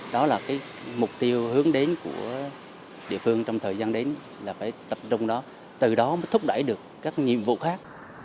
đó là cái mục tiêu hướng đến của địa phương trong thời gian đến là phải tập trung nó từ đó mới thúc đẩy được các nhiệm vụ khác